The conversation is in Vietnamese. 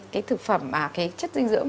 cái thực phẩm cái chất dinh dưỡng